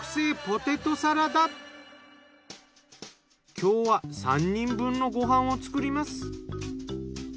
今日は３人分のご飯を作ります。